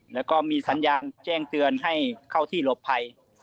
แล้วก็มีสัญญาณแจ้งเตือนให้เข้าที่หลบภัย